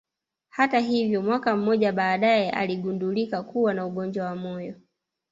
Hata hivyo mwaka mmoja baadaye aligundulika kuwa na ugonjwa wa moyo